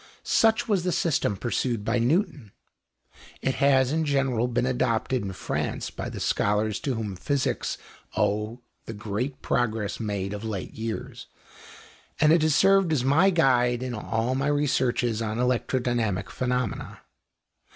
Such was the system pursued by Newton. It has, in general, been adopted in France by the scholars to whom physics owe the great progress made of late years, and it has served as my guide in all my researches on electrodynamic phenomena....